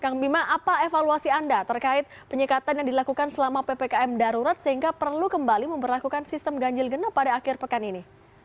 kang bima apa evaluasi anda terkait penyekatan yang dilakukan selama ppkm darurat sehingga perlu kembali memperlakukan sistem ganjil genap pada akhir pekan ini